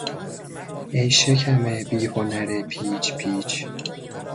ای شکم بیهنر پیچ پیچ...